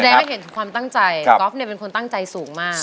ให้เห็นถึงความตั้งใจก๊อฟเนี่ยเป็นคนตั้งใจสูงมาก